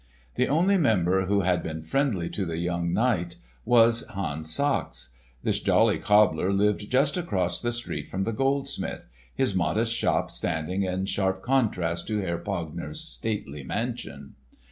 The only member who had been friendly to the young knight was Hans Sachs. This jolly cobbler lived just across the street from the goldsmith—his modest shop standing in sharp contrast to Herr Pogner's stately mansion.